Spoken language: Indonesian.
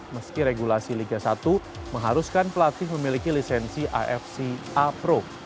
meski regulasi liga satu mengharuskan pelatih memiliki lisensi afc a pro